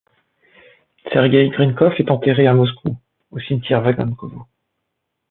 Sergueï Grinkov est enterré à Moscou, au cimetière Vagankovo.